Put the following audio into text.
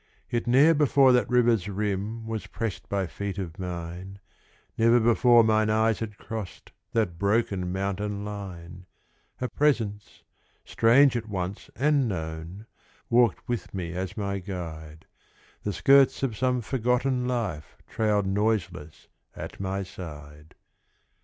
Yet ne'er before that river's rim Was pressed by feet of mine, Never before mine eyes had crossed That broken mountain line. A presence, strange at once and known, Walked with me as my guide; The skirts of some forgotten life Trailed noiseless at my side.